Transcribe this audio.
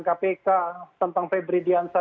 kpk tentang febri diansa